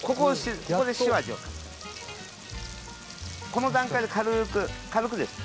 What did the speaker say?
この段階で軽く軽くです。